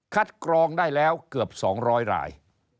คัดกรองได้แล้วเกือบสองร้อยราย